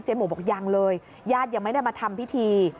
หมู่บอกยังเลยญาติยังไม่ได้มาทำพิธี